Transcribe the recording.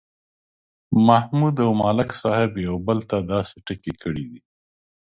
محمود او ملک صاحب یو بل ته داسې ټکي کړي دي